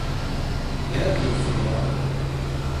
Ne yapıyorsun ya?